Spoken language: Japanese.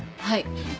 はい。